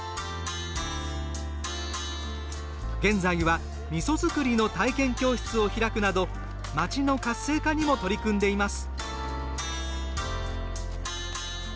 現在は、みそ造りの体験教室を開くなど町の活性化にも取り組んでいます。